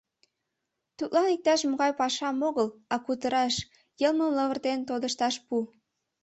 Тудлан иктаж-могай пашам огыл, а кутыраш, йылмым лывыртен тодышташ пу.